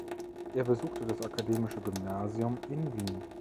Er besuchte das Akademische Gymnasium in Wien.